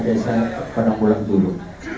di desa padang bulat julu